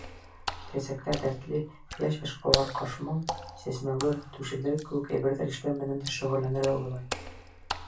Киләсәктә дәртле, йәш эшҡыуар ҡашмау, сәсмәүер, түшелдерек кеүек әйберҙәр эшләү менән дә шөғөлләнергә уйлай.